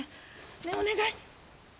お願い。